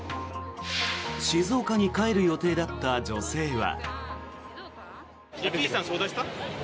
静岡に帰る予定だった女性は。